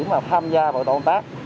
mà tham gia vào tổng tác